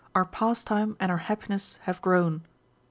Our pastime and our happiness have grown.